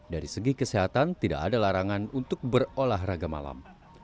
dari segi kesehatan tidak ada larangan untuk berolahraga malam